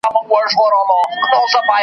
موږ د جنګونو نغارو ته نڅېدل زده کړي .